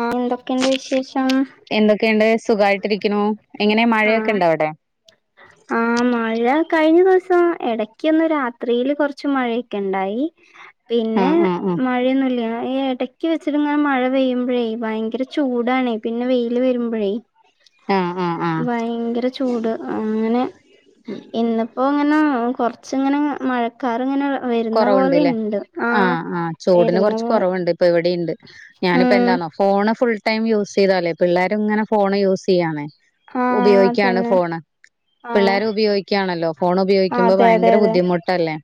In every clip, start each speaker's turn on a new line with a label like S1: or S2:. S1: ആഹ് എന്തൊക്കെണ്ട് വിശേഷം
S2: എന്തൊക്കെണ്ട് സുഖായിട്ടിരിക്ക്‌ണു എങ്ങനെ മഴയൊക്കെ ഇണ്ടോ അവിടെ?
S1: ആഹ് മഴ കഴിഞ്ഞ ദിവസം എടക്കൊന്ന് രാത്രിയില് കൊറച്ച് മഴയൊക്കെ ഇണ്ടായി പിന്നെ
S2: ആഹ് ആഹ് ആഹ്
S1: മഴയൊന്നുല്ല ഈ എട ക്ക്‌ വെച്ചിട്ട് ഇങ്ങനെ മഴ പെയ്യുമ്പഴേ ഭയങ്കര ചൂടണേ പിന്നെ വെയില് വരുമ്പഴേ
S2: ആഹ് ആഹ് ആഹ്
S1: വയങ്കര ചൂട് അങ്ങനെ ഇന്ന്പ്പോങ്ങനെ കൊറച്ച്ങ്ങനെ മഴക്കാറ് ങ്ങനെ
S2: കൊറവുണ്ട്ല്ലേ ആഹ് ആഹ് ചൂടിന്
S1: വരുന്ന
S2: കൊറച്ച്
S1: പോലെ
S2: കൊറവ്ണ്ട് ഇപ്പ ഇവിടിണ്ട് ഞാനിപ്പോ
S1: ഉം
S2: എന്താന്നോ ഫോണ് ഫുൾ ടൈം യൂസ് ചെയ്താലേ പ്പി പിള്ളാരും ഇങ്ങനെ ഫോണ് യൂസ്യ്യാണേ
S1: ആ
S2: ഉപയോഗിക്കാണ്
S1: അതന്നെ
S2: ഫോണ്
S1: ആ
S2: പിള്ളാരും ഉപയോഗിക്കുയാണല്ലോ ഫോൺ ഉപയോഗിക്കുമ്പോ
S1: അതെ അതെ
S2: ഭയങ്കര
S1: അതെ
S2: ബുദ്ധിമുട്ടല്ലേ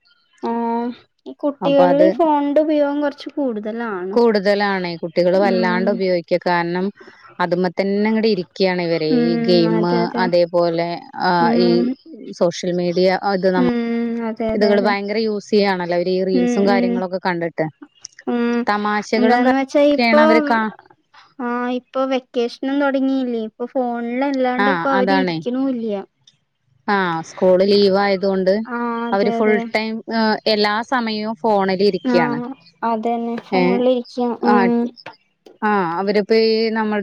S1: ആഹ് ഈ
S2: അപ്പൊ
S1: കുട്ടികളിൽ
S2: അത്
S1: ഈ ഫോൺന്റെ ഉപയോഗം കൊറച്ച് കൂടുതലാണ് ഉം
S2: ക്കെ കാരണം അത് മ്മതന്നെ ഇങ്ങട് ഇരിക്കാണ് ഇവര് ഈ
S1: ഉം
S2: ഗെയിമ്
S1: അതെ അതെ
S2: അതേപലെ അഹ് ഈ
S1: ഉം
S2: സോഷ്യൽ മീഡിയ അത് നമ്മ
S1: ഉം അതെ അതെ
S2: ത്കള്
S1: അതെ
S2: ഭയങ്കര യൂസ് ചെയ്യാണല്ലോ അവര് ഈ
S1: ഉം
S2: റീൽസും
S1: ഉം
S2: കാര്യങ്ങളൊക്കെ കണ്ട്ട്ട്
S1: ഉം എന്താന്ന് വെച്ചാ
S2: ഒക്കെയാണ്
S1: ഇപ്പൊ
S2: അവര് കാ
S1: ആഹ് ഇപ്പൊ വെക്കേഷനും തൊടങ്ങിയില്ലേ ഇപ്പൊ
S2: ആഹ്
S1: ഫോണിലല്ലാണ്ട്പ്പൊ അവര്
S2: അതാണേ
S1: ഇരിക്ക്ണുല്ല്യ
S2: ആഹ് സ്കൂള് ലീവ് ആയതുകൊണ്ട്
S1: ആഹ് അതെ
S2: അവര് ഫുൾ
S1: അതെ
S2: ടൈം എഹ് എല്ലാ സമയും
S1: ആഹ് അതന്നെ
S2: ഏഹ്
S1: ഫോണിലിരിക്കാ ഉം
S2: ആഹ് ആഹ് അവരപ്പ ഈ നമ്മൾ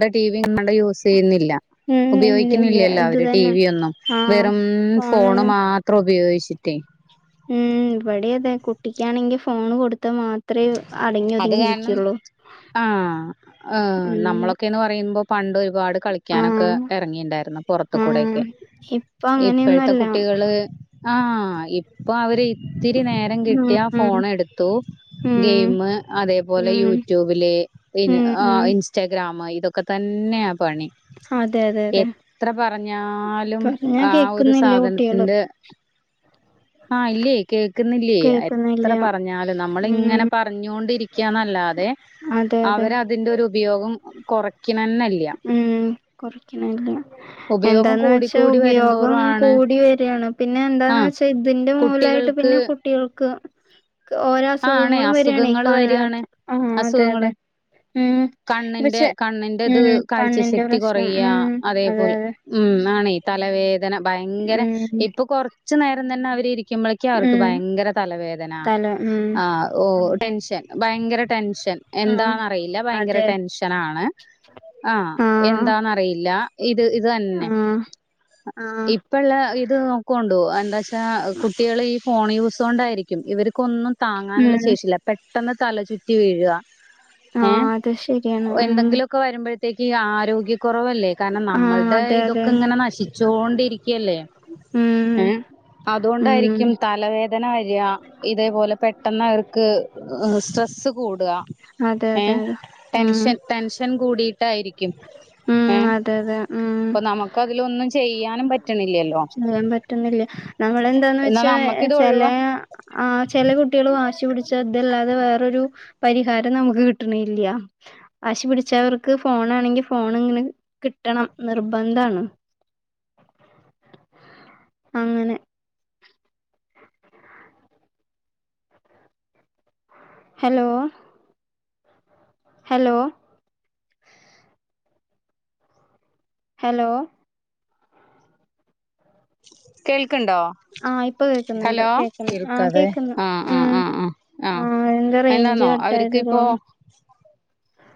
S2: വെ ടി വി നമ്മള് യൂസ്യ്യുന്നില്ല
S1: ഉം ഇല്ല ഇല്ല
S2: ഉപയോഗിക്കുന്നില്ലല്ലോ
S1: ഇത്
S2: അവര് ടി
S1: തന്നെ
S2: വി ഒന്നും
S1: ആഹ്
S2: വെറും ഫോണ്
S1: ഫോണിലന്നെ
S2: മാ ത്ര ഉപയോഗിച്ചിട്ടേ
S1: ഉം ഇവടി അതെ കുട്ടിക്കാണെങ്കി ഫോൺ കൊടുത്ത മാ ത്രേ അടങ്ങി
S2: അത് കാരണം
S1: ഒതുങ്ങിയിരിക്കൊള്ളൂ
S2: ആഹ് എഹ് നമ്മളൊക്കെന്ന് പറയുമ്പോ പണ്ട് ഒരുപാട് കളിക്കാനൊക്കെ
S1: ആഹ്
S2: എറങ്ങീണ്ടായിരന്നു പൊറ ത്തു
S1: ആഹ്
S2: കൂടൊക്കെ
S1: ഇപ്പൊ
S2: ഇപ്പഴത്തെ
S1: അങ്ങനെയൊന്നുല്ല
S2: കുട്ടികള് ആഹ് ഇപ്പൊ അവര് ഇത്തിരി നേരം
S1: ഉം
S2: കിട്ടിയാ
S1: ഉം
S2: ഫോൺ എടുത്തു
S1: ഉം
S2: ഗെയിമ് അതേപോലെ
S1: ഉം
S2: യൂട്യൂബില് പിന്നെ
S1: ഉം ഉം
S2: ആഹ് ഇ ഇസ്റ്റ്ഗ്രാം ഇതൊക്കെ തന്നെയാ പണി
S1: അതെ അതെ അതെ
S2: എത്ര പറഞ്ഞാലും
S1: പറഞ്ഞാ
S2: ആ ഒരു
S1: കേക്കുന്നില്ല കുട്ടികള്
S2: സാധനത്തിന്റെ ആഹ് ഇല്ലേ കേൾക്ക്ന്നില്ലേ
S1: കേക്കുന്നില്ല
S2: എത്ര പർഞ്ഞാലും നമ്മള്
S1: ഉം
S2: ഇങ്ങനെ പറഞ്ഞൊണ്ടിരിക്ക്യന്നല്ലതെ
S1: അതെ അതെ
S2: അവരത് തിന്റെ ഒരു ഉപയോഗം കൊറക്കിണന്നല്ല്യ
S1: ഉം കൊറക്കിണേല്യ
S2: ഉപയോഗം
S1: എന്താന്ന് വെച്ചാ
S2: കൂടിക്കൂടി
S1: ഉപയോഗം
S2: വരുന്തോറും ആണ്
S1: കൂടി വരിയാണ്. പിന്നെ എന്താന്ന് വെച്ചാൽ ഇതിന്റെ മൂലമായി
S2: ക്ക്
S1: കുട്ടികൾക്ക് ക് ഓരോ
S2: ആണേ
S1: അസുഖങ്ങളും വര്കയാണേ.
S2: അസുഖങ്ങള്
S1: കാണ
S2: വരാണ്
S1: ആ അതെ
S2: അസുഖങ്ങൾ
S1: അതെ ഉം ഇ
S2: കണ്ണിന്റെ
S1: പച്ചേ
S2: കണ്ണിന്റെ ഇത്
S1: ഉം കണ്ണിന്റെ
S2: കാഴ്ചശക്തി
S1: പ്രശ്നം
S2: കുറയ
S1: ഉം അതെ
S2: അതേപോലെ
S1: അതെ
S2: ഉം ആണേ തലവേദന ഭയങ്കര
S1: ഉം
S2: ഇപ്പൊ കൊറച്ച് നേരം തന്നേ അവരി ഇരിക്കുമ്പോളേക്കും അവർക്ക്
S1: ഉം
S2: ഭയങ്കര തലവേദന.
S1: തല ഉം
S2: ആ ഓഹ് ടെൻഷൻ ഭയങ്കര ടെൻഷൻ
S1: ആഹ്
S2: എന്താറിയില്ല ഭയങ്കര
S1: അതെ
S2: ടെൻഷൻ. ക്കെനാണ്
S1: ആഹ്
S2: എന്താണറിയില്ല ഇത് ഇത് തന്നെ
S1: ആഹ് ആഹ്
S2: ഇപ്പെ ഇള്ള ഇത് നോക്കൊണ്ടൂ അയ്എന്താച്ചാ കുട്ടികൾ ഈ ഫോൺ യൂസ് കൊണ്ടായിരിക്കും ഇവർക്കൊന്നും താങ്ങാന്ള്ള
S1: ഉം
S2: ശേഷിയില്ല പെട്ടെന്ന് തല ചുറ്റി വീഴാ
S1: ആഹ് അത് ശെ
S2: എന്തെങ്കിലുമൊക്കെ വരുമ്പോഴത്തേക്ക് ഈ ആരോഗ്യ കൊറവല്ലേ കാരണം
S1: ആഹ്
S2: നമ്മളുടെ
S1: അതെ അതെ
S2: ഇതൊക്കെ ഇങ്ങനെ നശി ച്ചോണ്ടിരിക്കല്ലേ!
S1: ഉം
S2: ഏഹ്
S1: ഉം
S2: അതോണ്ടായിരിക്കും തലവേദന വര്ആ ഇതേപോലെ പെട്ടെന്നവർക്ക് സ്ട്രെസ്സ് കൂടാ.
S1: അതെ
S2: ഏഹേ
S1: അതെ അതെ ഉം
S2: ടെൻഷൻ ടെൻഷൻ കൂടിയിട്ടായിരിക്കും. ഏ
S1: ഉം അതെ അതെ ഉം
S2: ഇപ്പൊ നമുക്ക് അതിലൊന്നും ചെയ്യാനും പറ്റണില്ലല്ലോ
S1: ചെയ്യാൻ പറ്റ്ന്നില്ല നമ്മളെന്താന്ന്
S2: എന്നാ
S1: വെച്ചാ
S2: നമ്മക്ക് ഇത്
S1: ചെലേ
S2: ഒഴിവാ
S1: ആഹ് ചെലെ കുട്ടികള് വാശി പിടിച്ച ഇതല്ലാതെ വേറൊരു പരിഹാരം നമുക്ക് കിട്ട്ണ്ല്യാ വാശി പിടിച്ച അവർക്ക് ഫോണാണെങ്കിൽ ഫോൺ ഇങ്ങനെ കിട്ടണം നിർബദ്ധാണ് അങ്ങെനേ ഹെലോ ഹെലോ ഹെലോ
S2: കേൾക്ണ്ടോ?
S1: ആഹ് ഇപ്പൊ കേക്കുന്നുണ്ട്
S2: ഹെലോ!
S1: കേക്കുന്നു ആഹ്
S2: കേൾക്കാതേ
S1: കേക്കുന്നു
S2: ആ ആ
S1: ഉം
S2: ആ ആ
S1: ആഹ് എന്താ റേഞ്ച്
S2: എന്നാന്നോ
S1: കട്ടായത്
S2: അവർക്കിഇപ്പോ
S1: തോന്നുന്നു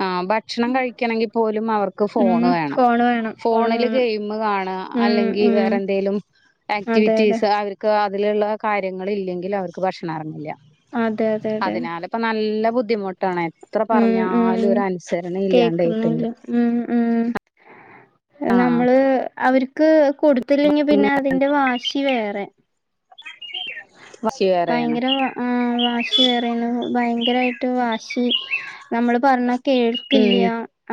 S2: ആഹ് ഭക്ഷണം കഴിക്കെണങ്കിൽ പോലും അവർ ക്ക്
S1: ഉം
S2: ഫോണ് വേണം.
S1: ഫോണ് വേണം ഫോണ്
S2: ഫോണിൽ
S1: വേണം
S2: ഗെയിം കാണാ
S1: ഉം
S2: അല്ലെങ്കിൽ
S1: ഉം
S2: വേറെന്തെ ന്തെങ്കിലും
S1: അതെ അതെ
S2: ആക്ടിവിറ്റീസ് അവർക്ക് അതില്ള്ള കാര്യങ്ങൾ ഇല്ലെങ്കില് അവർക്ക് ഭക്ഷണം എറങ്ങില്ല.
S1: ആഹ് അതെ തേ തേ
S2: ഇപ്പം നല്ലെ ബുദ്ധിമുട്ടാണ്. എത്ര
S1: ഉം ഉം
S2: പറഞ്ഞാലും ഒരു അൻസരണ ഇല്ലാണ്ടായിട്ട്ണ്ട്.
S1: കേക്കുന്നില്ല ഉം ഉം
S2: ആഹ്
S1: നമ്മള് അവര്ക്ക് കൊടുത്തില്ലെങ്കിൽ പിന്നെ അതിന്റെ വാശി വേറെ
S2: വാശി വേറെയാണ്
S1: ഭയങ്കര വാ ആഹ് വാശി വേറെ ആണ് ഭയങ്കരായിട്ട് വാശി നമ്മള് പർഞ്ഞാ
S2: ഉം
S1: കേൾക്കില്ല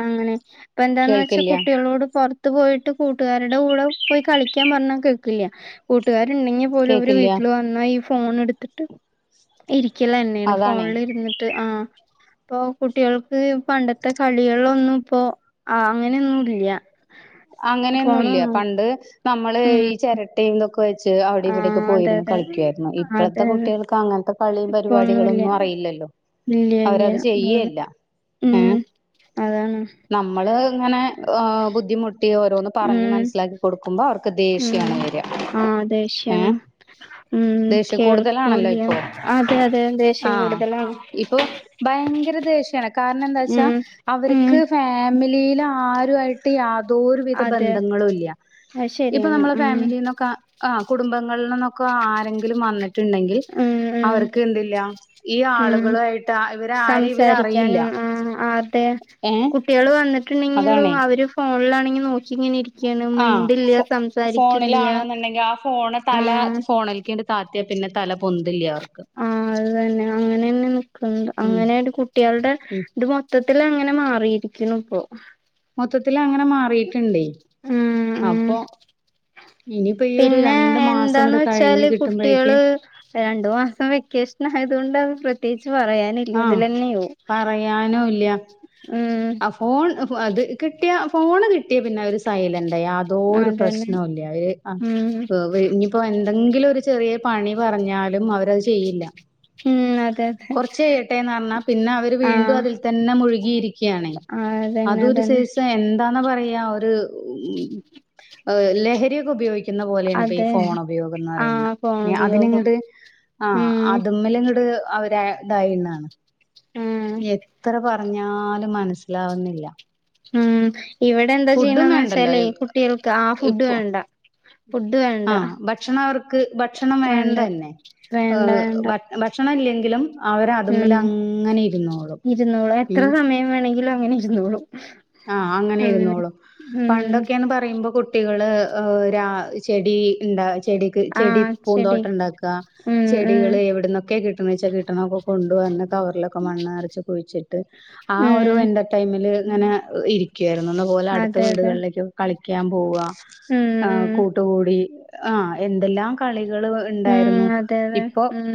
S1: അങ്ങനെ. ഇപ്പ എന്താന്ന് വെച്ചാ
S2: കേൾക്കില്ല
S1: കുട്ടികളോട് പൊർത്ത് ത്ത് പോയിട്ട് കൂട്ടുകാരുടെ കൂടെ പോയി കളിക്കാൻ പറഞ്ഞാൽ കേൾക്കില്ല കൂട്ടുകാരുണ്ടെങ്കിൽ പോലും അവരു വീ
S2: കേക്കില്ല
S1: വന്നാ ഈ ഫോൺ എട്ത്തിട്ട് ഇരിക്കലെന്നേണ്
S2: അതാണേ
S1: ഫോണിൽ ഇരുന്നിട്ട് ആഹ് ഇപ്പൊ കുട്ടികൾക്ക് പണ്ടത്തെ കളികളൊന്നും ഇപ്പോ അ അങ്ങനെ ഒന്നും ഇല്യാ.
S2: അങ്ങനെയൊന്നും ഇല്യാ. പണ്ട് നമ്മള്
S1: ഉം
S2: ഈ ചെരട്ടയു ഇതൊക്കെ അപ്പോവെച്ച് അവിടെ
S1: ആ
S2: ഇവിടെയൊക്കെ
S1: അതെ
S2: പോയിരുന്നു
S1: അതെ
S2: കളിക്ക്യായിരുന്നു.
S1: അതെ
S2: ഇപ്പോളെത്തെ
S1: അതെ
S2: കുട്ടികൾക്ക് അങ്ങനത്തെ പളിയും
S1: ഇപ്പൊ ഒന്നുല്ല
S2: പരിപാടികളൊന്നും അറിയില്ലല്ലോ.
S1: ഇല്ല ഇല്ല
S2: അവരത് ചെയ്യെല്ല
S1: ഉം
S2: ഏഹ്
S1: അതാണ്
S2: നമ്മള് ഇങ്ങനെ ബുദ്ധിമുട്ട് കുട്ടി ഓരോന്ന് പറഞ്ഞ്
S1: ഉം
S2: മനസ്സിലാക്കി കൊടുക്കുമ്പോ അവർക്ക് ദേഷ്യാണ് വരിക
S1: ആ
S2: ഏ
S1: ദേഷ്യം ആണ്
S2: ദേഷ്യ കൂടുതലാണല്ലോ
S1: കേൾക്കൂല
S2: ഇപ്പൊ
S1: അതെ അതെ കൂടുതലാ
S2: പ്പോ ഭയങ്കര ദേഷ്യാണ് കാരണം എന്താച്ചാ
S1: ഉം ഉം
S2: അവര്ക്ക് ഫാമിലിയിൽ ആരുയായിട്ട് തോ ഒരു വിധ
S1: അതെ
S2: ബന്ധങ്ങളും ഇല്ല
S1: അത്
S2: ഇപ്പൊ
S1: ശരിയാണ്
S2: നമ്മള
S1: ഉം
S2: ഫാമിലിന്നൊക്ക ആഹ് കുടുംബങ്ങളിൽ നിന്നൊക്കെ ആരെങ്കിലും വന്നി ട്ട്ണ്ടങ്കിൽ
S1: ഉം ഉം
S2: അവർക്ക് എന്ത് ല്ലാ ഈ
S1: ഉം
S2: ആളുകളായിട്ട് ഇവര് ആരേം ഇവരറിയില്ല
S1: സംസാരിക്കാനും ആഹ് അതെ കുട്ടികൾ വന്നിട്ടുണ്ട്
S2: അതാണേ
S1: ഒരു ഫോണിലാണങ്കി നോക്കിങ്ങനെ ഇരി
S2: ആഹ് ഫോണിലാണെന്നുണ്ടങ്കി ആ ഫോണ് തല
S1: ആഹ്
S2: ഫോണിൽക്കിണ്ട് താത്തിയാ പിന്നെ തല പൊന്തില്ല അവർക്ക്
S1: ആഹ് അത് തന്നെ അങ്ങനന്നെ നിക്ന്നത്
S2: ഉം
S1: അങ്ങനെ കു കുട്ടിയാൾ ടെ
S2: ഉം
S1: ഇത് മൊത്തത്തിൽ അങ്ങനെ മാറിയിരിക്കുണു ഇപ്പോ
S2: മൊത്തത്തില് അങ്ങന മാറിട്ട് ഇണ്ടേ
S1: ഉം ഉം
S2: അപ്പൊ ഇനിയിപ്പോ ഈയൊരു
S1: പിന്നെ
S2: രണ്ട് മാസം
S1: എന്താന്ന്
S2: ങ്ങണ്ട് കഴിഞ്ഞ്
S1: വെച്ചാല്
S2: കിട്ടുമ്പോഴേക്കി
S1: കുട്ടികള് രണ്ടു മാസം വെക്കേഷൻ ആയത് കൊണ്ട പ്രത്യേകിച്ച് പറയാൻ
S2: ആഹ്
S1: ഇതിലന്നെ
S2: പറയാനും ഇല്ല
S1: മം
S2: ആ ഫോൺ അത് കിട്ടിയ ഫോണ് കിട്ടിയ പിന്നെ അവര് സൈലന്റായി യാതൊരു
S1: അതന്നെ
S2: പ്രശ്നോല്ല അവര്
S1: ഉം
S2: ഇനിയിപ്പോ എന്തെങ്കിലും ഒരു ചെറിയ പണി അവരത് ചെയ്യില്ല
S1: മ്മ് അതെ അതെ
S2: ചെയ്യട്ടേന്ന് പറഞ്ഞാ പിന്നെ അവര് വീണ്ടും
S1: ആഹ്
S2: അതിൽ തന്നെ മുഴുകിയിരിക്കാണെ
S1: അതന്നെ
S2: അതൊ ഒരു
S1: അതന്നെ
S2: സൈസ് എന്താന്ന പറയാ ലഹരിയൊക്കെ ഉപയോഗിക്കോ എന്ന പോലേന്ന് ഇപ്പൊ ഈ
S1: അതെ
S2: ഫോൺ ഉപയോഗം എന്ന് പറയുന്ന
S1: ആഹ് ഫോൺ ഉപയോഗം
S2: അതിനങ്ങട്ട് ആഹ്
S1: ഉം
S2: അത് മ്മല് ഇൻങ്ങട് അവര് ഇതായിന്നാണ്
S1: ആഹ്
S2: എത്ര പറഞ്ഞാലും മനസ്സിലാവുന്നില്ല
S1: മ്മ് ഇവിടെ എന്താ
S2: ഫുഡും
S1: ചെയ്യണന്ന്
S2: വേണ്ടല്ലോ
S1: വെച്ചാലെ കുട്ടികൾക്ക് ആ ഫുഡ്
S2: ഇപ്പൊ
S1: വേണ്ട ഫുഡ് വേണ്ട
S2: ആഹ് ഭക്ഷണം അവർക്ക് ഭക്ഷണം
S1: വേണ്ട
S2: വേണ്ടന്നെ
S1: വേണ്ട
S2: ഭക്ഷണം ഇല്ലെങ്കിലും അവര് അതുമ്മിൽ
S1: അതാണ്
S2: അങ്ങനെ ഇരുന്നോളും
S1: ഇരുന്നോളു എത്ര
S2: ഉം
S1: സമയം വേണങ്കിലും അങ്ങനെ ഇരുന്നോളൂ
S2: ആഹ് അങ്ങനെ ഇരുന്നോളു പണ്ടൊക്കെന്ന് പറയുമ്പോ കുട്ടികള് ഒരാ ചെടിണ്ടാ ചെടിക്ക് ചെടി
S1: ആഹ് ചെടി
S2: പൂന്തോട്ടം ണ്ടാക്ക
S1: ഉം ഉം
S2: ചെടികള് എവിടുന്നൊക്കെ കിട്ടണന്ന് വെച്ചാ കിട്ടണ കിട്ട്ണ കൊണ്ടുവന്ന് കവറിലൊക്കെ മണ്ണ് നറച്ച് കുഴിച്ചിട്ട് ആ ഒരു
S1: ഉം
S2: എന്റെ ടൈമില് ഇങ്ങനെ ഇരിക്കുവായിരുന്നു അന്നതു പോലെ അടുത്ത
S1: അതെ അതെ
S2: വീടുകളിലേക്കൊ കളിക്കാൻ പോവ
S1: ഉം
S2: ആഹ്
S1: ഉം
S2: കൂട്ടുകൂടി ആഹ് എന്തെല്ലാം കളികൾ ണ്ടായിരുന്നു
S1: ഉം അതെ അതെ
S2: ഇപ്പൊ
S1: ഉം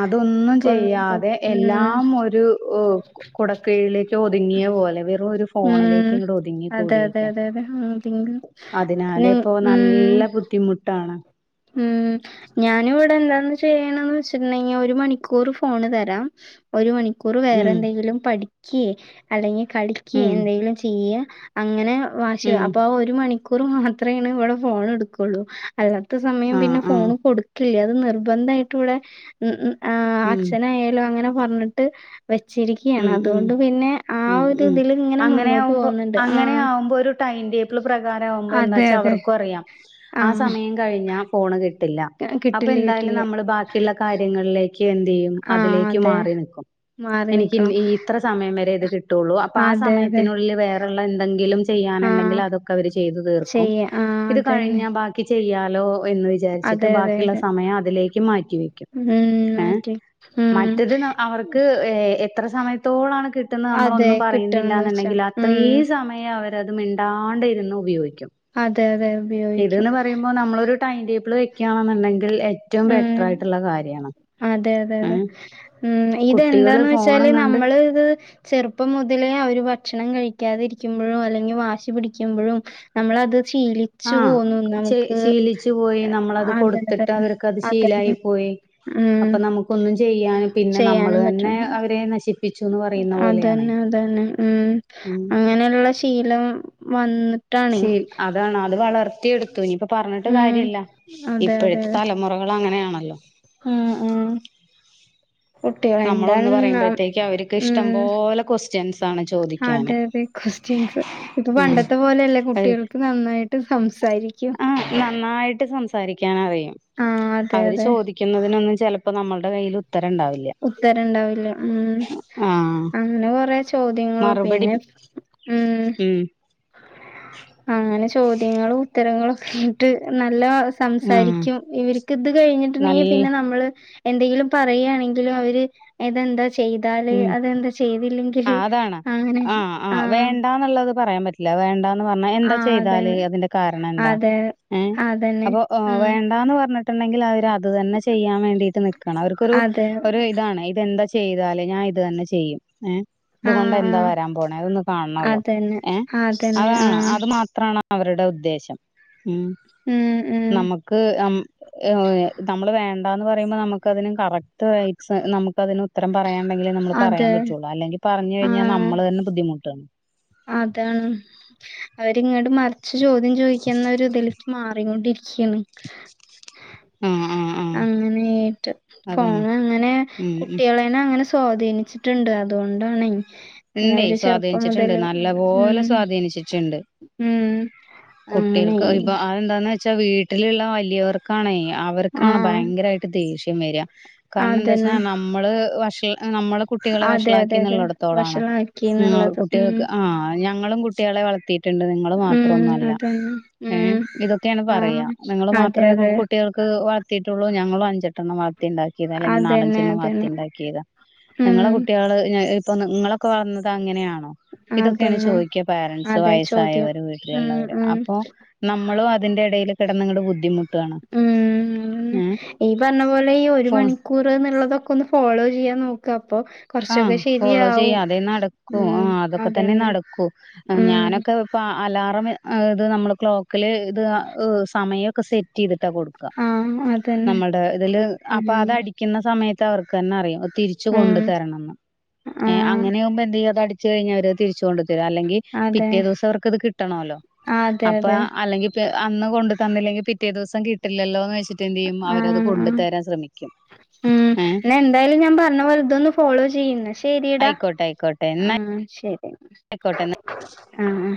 S2: അതൊന്നും
S1: ഇപ്പൊന്നുല്ല
S2: ചെയ്യാതെ
S1: ഉം
S2: എല്ലാം ഒരു ഓ കുടക്കീഴിലേക്ക് ഒതുങ്ങിയ പോലെ വെറു ഒരു ഫോ
S1: ഉം
S2: ഫോണിലേക്ക് ഇങ്ങട് ഒതുങ്ങി
S1: അതെ അതെ
S2: കൂടീക്കാ
S1: അതെ അതെ ഉം തിങ്ക്
S2: അതിനാലെ ഇപ്പോ നല്ല ബുദ്ധിമുട്ടാണ്
S1: മ്മ് ഞാന് ഇവിടെ എന്താന്ന് ചെയ്യണന്ന് വെച്ചിട്ടുണ്ടങ്കി ഒരു മണിക്കൂർ ഫോണ് തരാം ഒരു മണിക്കൂർ വേറെ
S2: ഉം
S1: എന്തെങ്കിലും പഠിക്കെ അല്ലെങ്കി കളിക്കേ
S2: ഉം
S1: എന്തെങ്കിലും ചെയ്യാ അങ്ങനെ വാഷി
S2: ഉം
S1: അപ്പൊ ആ ഒരു മണിക്കൂർ മാത്രേണ് വിട ഫോൺ എടുക്കുള്ളൂ അല്ലാ സമയം
S2: ആഹ്
S1: പിന്നെ
S2: ആഹ്
S1: ഫോണ് കൊടുക്കില്ല അത് നിർബന്ധയിട്ട് ഇവിടെ മ്മ് മ്മ് ആഹ്
S2: ഉം
S1: അച്ഛനായാലും, അങ്ങനെ പറഞ്ഞിട്ട്. വെച്ചിരിക്കിയാണ്
S2: ഉം ഉം
S1: അതുകൊണ്ട്- പിന്നെ ആ
S2: ഉം
S1: ഒരു
S2: ഉം
S1: ഇതില് ഇങ്ങനെ- മുന്നോട്ട്
S2: അങ്ങനെയാവുമ്പോ
S1: പോകുന്നുണ്ട്. ആഹ്..
S2: അങ്ങനെയാവുമ്പോ ഒരു ടൈം ടേബിൾ പ്രകാരം ആകുമ്പോ എന്താച്ചാ- അവർക്കും അറിയാം, ആ സമയം കഴിഞ്ഞാ- ഫോണ് കിട്ടില്ല
S1: കിട്ടില്ല
S2: അപ്പന്തായാലും-
S1: കിട്ടില്ല
S2: നമ്മള് ബാക്കിയുള്ള- കാര്യങ്ങളിലേക്ക് എന്ത് ചെയ്യും?
S1: ആ
S2: അതിലേക്ക്
S1: അതെ
S2: മാറി നിക്കും.
S1: മാറി
S2: എനിക്ക്
S1: നിക്കണം
S2: ഇത്ര സമയം വരെ ഇത് കിട്ടുള്ളൂ, അപ്പോ ആ
S1: അതെ അതെ
S2: സമയത്തിനുള്ളിൽ വേറെ- എന്തെങ്കിലും ചെയ്യാനുണ്ടെങ്കിൽ
S1: ആഹ്
S2: അതൊക്കെ അവർ ചെയ്തു തീർക്കും.
S1: ചെയ്യ ആഹ്
S2: ഇത്
S1: അതന്നെ
S2: കഴിഞ്ഞാക്ക ബാക്കി- ക്കി ചെയ്യാലോ എന്ന് വിചാരി - വിചാരിച്ചിട്ട്
S1: അതെ അതെ
S2: ബാക്കിള്ള
S1: അതെ
S2: സമയം- അതിലേക്ക് മാറ്റി വെക്ക,
S1: ഉം
S2: ഏ
S1: മാറ്റി ഉം
S2: മറ്റത്- അവർക്ക് എത്ര സമയത്തോളാണ് കിട്ടുന്നേ
S1: അതെ
S2: നമ്മളൊന്നും പറയുന്നില്ല
S1: കിട്ടണംന്ന് വെച്ചാ
S2: എന്നുണ്ടെങ്കിൽ
S1: ഉം
S2: അത്രയും സമയം- അവരത് മിണ്ടാണ്ട ഇരുന്ന് ഉപയോഗിക്കും.
S1: അതെ അതെ... ഉപയോഗിക്കും
S2: ഇത്ന്ന് പറയുമ്പോൾ നമ്മളൊരു ടൈം ടേബിൾ, വെക്കയാണെന്നുണ്ടെങ്കിൽ ഏറ്റവും ബെറ്റർ
S1: ഉം
S2: ആയിട്ടുള്ള കാര്യമാണ്.
S1: അതെ അതെ അതെ മം,
S2: കുട്ടികള്
S1: ഇതെന്താന്നച്ചാല്
S2: ഫോണും കണ്ട്
S1: നമ്മള് ഇത്- ചെറുപ്പം മുതലേ അവര് ഭക്ഷണം, കഴിക്കാതിരിക്കുമ്പഴും അല്ലെങ്കിൽ- വാശി പിടിക്കുമ്പഴും, നമ്മളത് ശീലി-
S2: ആ ശീലിച്ചു പോയി നമ്മളത്-
S1: അതെ
S2: കൊടുത്തിട്ട്
S1: അതെ
S2: അവർക്കത് ശീലായി
S1: അതന്നെ
S2: പോയി.
S1: ഉം
S2: അപ്പോ നമുക്കന്നും ചെയ്യൻ പിന്നെ,
S1: ചെയ്യാനും
S2: നമ്മള്ന്നെ
S1: പറ്റണം
S2: അവരെ നശിപ്പ-
S1: അതന്നെ അതന്നെ ഉം,
S2: ഉം
S1: അങ്ങനെയുള്ള ശീലം വന്ന്-
S2: ശീ അതാണ് അത്- വളർത്തിയെടുത്തു ഇനിയിപ്പ- പറഞ്ഞിട്ട്
S1: ഉം
S2: കാര്യല്ല
S1: അതെ
S2: ഇപ്പഴത്തെ തലമുറ, മുറകൾ അങ്ങനെയാണല്ലോ.
S1: ആഹാ ആഹാ....
S2: [inaudible] നമ്മളൊന്ന്
S1: ന-
S2: പറയുമ്പോഴത്തേക്ക്- അവർക്ക്
S1: ഉം
S2: ഇഷ്ടംപോലെ ക്യുസ്- സ്റ്റിൻണ് ചോദിക്കാന്.
S1: അതെ അതെ ക്വസ്റ്റ്യൻസ് ഇപ്പോ
S2: ഉം
S1: പണ്ടത്തെ- പോലെയല്ലേ കുട്ടികൾക്ക് നന്നായിട്ട് സംസാരിക്കും.
S2: ആ നന്നായിട്ട് സംസാരിക്കാനറിയ-
S1: ആ അതെ
S2: അവര്
S1: അതെ
S2: ചോ- ക്കുന്നതിനൊന്നും ചിലപ്പോൾ- നമ്മുടെ കയ്യിൽ [inaudible]
S1: ഉത്തരണ്ടാവില്ല മം.
S2: ആഹ്
S1: അങ്ങനെ കൊറെ ചോദ്യങ്ങള-
S2: മറുപടി
S1: പിന്നെ, ഉം.. അങ്ങനെ ചോദ്യങ്ങളും, ഉത്തരങ്ങളൊക്കെട്ട് നല്ല- [inaudible] സംസാരിക്കും ഇവര്ക്ക് ഇത്- കഴിഞ്ഞിട്ടുണ്ടെങ്കിൽ
S2: നല്ല
S1: പിന്നെ നമ്മള് എന്തെങ്കിലും പറയുകയാണെങ്കിൽ- അവര് അതെന്താ ചെയ്താല്,
S2: ഉം
S1: അതെന്താ ചെയ്തില്ലെങ്കി.
S2: ആ
S1: ഇഹ് അങ്ങനെ ആഹാ.
S2: പ്പുള്ളത് പറയാൻ പറ്റില്ല, വേണ്ടാന്ന് പറഞ്ഞാൽ എന്താ
S1: ആഹ് അതെ
S2: ചെയ്താല്? അതിന്റെ കാരണം എന്താ?
S1: അതെ
S2: ഏ
S1: അതന്നെ
S2: അപ്പോ ഒ
S1: ഉം
S2: വേണ്ടന്ന് പറഞ്ഞിട്ട്- ണ്ടെങ്കിൽ അവര് അത് തന്നെ- ചെയ്യാൻ വേണ്ടിട്ട് നിക്കണം. അവർക്കൊരു
S1: അതെ
S2: ഒരു ഇതാണ്. പെന്താ ചെയ്താല്, ഞാൻ ഇത് തന്നെ ചെയ്യും, ഏ അതൊ-
S1: ആഹ്
S2: [inaudible] എന്താ
S1: ആഹ്
S2: വരാൻ പോണ? അതൊന്ന് കാണണല്ലോ?
S1: അതന്നെ
S2: ഏ
S1: അതന്നെ
S2: അതാണ്
S1: ആഹ്
S2: അത് മാത്ര - [inaudible] അവരുടെ ഉദ്ദേശം ഉം
S1: ഉം ഉം
S2: നമുക്ക് അം, [inaudible] നമ്മള് വേണ്ടാന്ന് പറയുമ്പോ- നമുക്കതിന് കറക്റ്റ് വൈസ്- നമുക്കതിന് - ഇത്രം പറയാണണ്ടെങ്കിൽ നമ്മള്- പറയാൻ
S1: അതെ
S2: പറ്റുള്ളൂ, അല്ലെങ്കിൽ പറഞ്ഞു കഴിഞ്ഞാൽ
S1: ആഹ്
S2: നമ്മൾ തന്നെ ബുദ്ധിമുട്ടാണ്.
S1: അതാണ് [inaudible] അവരിങ്ങോട്ട് മറിച്ച് ചോദ്യം- ചോദിക്കുന്ന ഒരുതിലേക്ക്- മാറിക്കൊണ്ടിരിക്കയാണ്.
S2: ആഹ് ആഹ് ആഹ്
S1: അങ്ങനേട്ട്
S2: അതാണ്
S1: ഫോണ് അങ്ങനെ,
S2: ഉം ഉം
S1: കുട്ടികള- ഞനങ്ങനെ സ്വാധീനിച്ചിട്ടുണ്ട് അതുകൊണ്ടാണ്.
S2: ഉണ്ട് സ്വാധീനിച്ചിട്ടുണ്ട് ന [inaudible] നല്ല
S1: ഉം
S2: പോലെ സ്വാധീനിച്ചിട്ടുണ്ട്.
S1: ഉം അങ്ങനെ
S2: കുട്ടികൾക്ക് ഇപ്പോതെന്താന്ന് വ- ച്ച വീട്ടിലുള്ള വലിയവർകാണെ, വർക്കാണ്
S1: ആഹ്
S2: ഭയങ്കരമായിട്ട് ദേഷ്യം വരിക. കാരണം എന്താച്ചാ
S1: അതന്നെ
S2: നമ്മള് വഷ- നമ്മളെ കുട്ടികളെ വഷളാക്കി എന്നള്ളിടത്തോളണ്.
S1: ല.
S2: നിങ്ങ കുട്ടികൾക്ക്. ആഹ് ഞങ്ങളും കുട്ടികളെ വളർത്തിയിട്ടുണ്ട് നിങ്ങ ങ്ങ
S1: ഉം
S2: മാത്രൊന്നു അല്ല,
S1: അതന്നെ
S2: ഏഹ്.
S1: ഉം
S2: ഇതൊക്കെയാണ് പറയാ.
S1: ആഹ്
S2: നിങ്ങള്
S1: അതെ
S2: മാത്രേ
S1: അതെ
S2: കുട്ടികൾക്ക് വാ ത്തിയിട്ടുള്ളൂ? ഞങ്ങളും അഞ്ചെട്ടണ്ണം വളത്തിണ്ടാക്കിയതാ അല്ലെങ്കി
S1: അതന്നെ
S2: നാലഞ്ചെണ്ണം വളത്തി
S1: അതന്നെ
S2: ഇണ്ടാക്കിയതാ
S1: ഉം
S2: നിങ്ങളെ കുട്ടികള്, ഇപ്പൊ നിങ്ങളൊക്കെ വളർന്നത് അങ്ങനെയാണോ? ഇതൊക്കെയാണ്
S1: അതന്നെ
S2: ചോദിക്ക പാരൻസ്
S1: അതെ ചോദ്യം
S2: വയസ്സായവര്
S1: ഉം
S2: വീട്ടിലുള്ളവര്.
S1: ഉം
S2: അപ്പൊ നമ്മളും അതിന്റെ എടയില് കെടന്നങ്ങട് ബുദ്ധിമുട്
S1: ഉം ഈ പറഞ്ഞ പോലെ ഈ ഒരു
S2: ഫോൺ
S1: മണി കുറ് എന്നുള്ളതൊക്കെ ഒന്ന് ഫോളോ ചെയ്യാൻ നോക്ക. അപ്പൊ
S2: ആഹ്
S1: കൊറച്ചൊക്കെ
S2: ഫോളോ ചെയ്യ
S1: ശരിയാവും
S2: അതെ നടക്കൂ
S1: ഉം
S2: ആഹ് അതൊക്കെ തന്നെ
S1: അതന്നെ
S2: നടക്കൂ.
S1: ഉം
S2: ഞാനൊക്കെ ഇപ്പൊ അലാറം ഇത് നമ്മള് ക്ലോക്കില് ഇത് ഈഹ് സമയൊക്കെ സെറ്റ് ചെയ്തിട്ടാ കൊട്
S1: ആഹ് അഹ്.
S2: നമ്മൾടെ ഇതില് അപ്പൊ അതടിക്ക്ന്ന സമയത്ത് അവർക്ക് തന്നെ അറിയാം. അത് തിരിച്ച് കൊണ്ട്
S1: ഉം
S2: തരണംന്ന്. ഏഹ്
S1: ആഹ്
S2: അങ്ങനെയാകുമ്പോ എന്ത് ചെയ്യാ അതടിച്ച് കഴിഞ്ഞാ അവരത് തിരിച്ച് കൊണ്ട് അല്ലെങ്കി
S1: അതെ
S2: പിറ്റേ ദിവസം അവർക്ക്ത് കിട്ടണല്ലോ.
S1: ആ അതെ
S2: അപ്പൊ
S1: അതെ
S2: അല്ലെങ്കിൽ അന്ന് കൊണ്ട് തന്നില്ലെങ്കിൽ പിറ്റേ ദിവസം കിട്ടില്ലല്ലോ എന്ന് വെച്ചി യും അവരത്
S1: ആഹ്
S2: കൊണ്ട
S1: ആഹ്
S2: തരാൻ ശ്രമിക്കും.
S1: ഉം
S2: ഏഹ്
S1: എന്നാ എന്തായാലും ഞാൻ പറഞ്ഞ വലോ ഇതൊന്ന് ഫോളോ ചെയ്യ്. ശെരിടാ
S2: ആയിക്കോട്ടെ
S1: ആഹ് ശരി
S2: ആയ്ക്കോട്ടന്ന.
S1: ആ ആഹ്